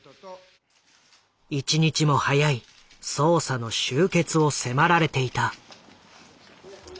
一日も早い捜査の終結を迫られていた。